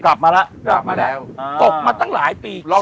กลับมาแล้วตกมาตั้งหลายปี